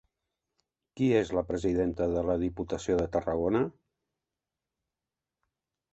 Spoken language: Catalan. Qui és la presidenta de la Diputació de Tarragona?